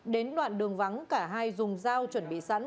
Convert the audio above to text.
đến đoạn đường vắng cả hai dùng dao chuẩn bị sẵn